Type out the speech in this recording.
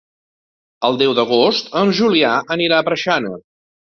El deu d'agost en Julià anirà a Preixana.